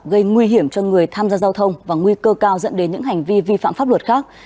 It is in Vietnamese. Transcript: gây nguy hiểm cho người tham gia giao thông và nguy cơ cao dẫn đến những hành vi vi phạm pháp luật khác